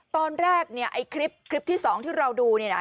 ตอนแรกเนี่ยคลิปที่๒ที่เราดูเนี่ยนะ